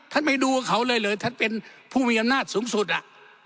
ท่านไม่ดูเขาเลยเลยท่านเป็นผู้มียำนาถสูงสุดอะ